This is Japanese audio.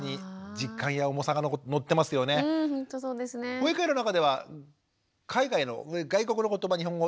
保育園の中では海外の外国の言葉日本語